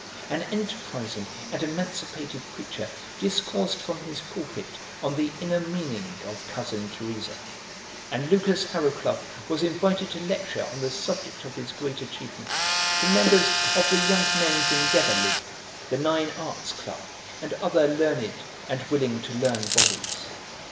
An enterprising and emancipated preacher discoursed from his pulpit on the inner meaning of "Cousin Teresa," and Lucas Harrowcluff was invited to lecture on the subject of his great achievement to members of the Young Mens' Endeavour League, the Nine Arts Club, and other learned and willing to learn bodies.